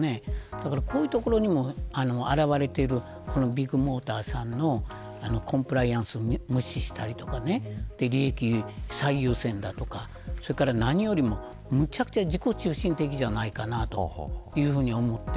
だから、こういうところにも表れているビッグモーターさんのコンプライアンスを無視したりとか利益最優先だとか。何よりも無茶苦茶自己中心的じゃないかなというふうに思って。